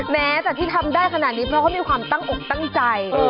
แม้แต่ที่ทำได้ขนาดนี้เพราะเขามีความตั้งอกตั้งใจ